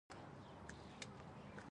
په لومړیو کې د کسبګرو کارونه سپارښتونکي وو.